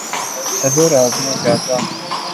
صبر آزما چاہتا ہوں